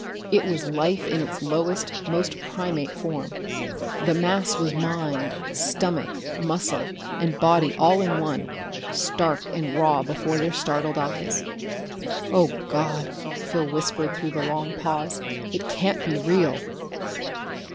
It was life in its lowest, most primate form. The mass was mind, stomach, muscle and body all in one, stark and raw before their startled eyes. "Oh, God!" Phil whispered through the long pause. "It can't be real!..."